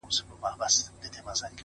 • یوه لو ناره یې وکړله له خونده ,